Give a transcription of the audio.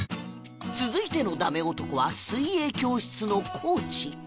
続いてのダメ男は水泳教室のコーチ